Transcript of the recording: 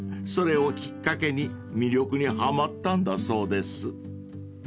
［それをきっかけに魅力にはまったんだそうです］